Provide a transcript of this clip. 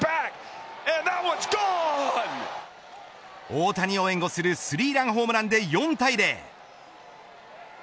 大谷を援護するスリーランホームランで４対０。